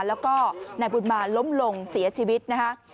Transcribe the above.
แล้วก็นายบุญมาล้มลงเสียชีวิตนะคะ